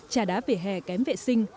trà đá về hè kém vệ sinh